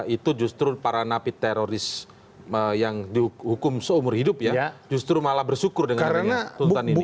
itu justru para napi teroris yang dihukum seumur hidup ya justru malah bersyukur dengan tuntutan ini